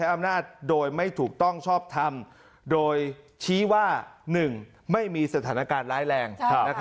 อำนาจโดยไม่ถูกต้องชอบทำโดยชี้ว่า๑ไม่มีสถานการณ์ร้ายแรง